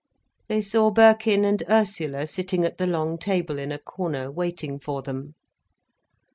They saw Birkin and Ursula sitting at the long table in a corner, waiting for them.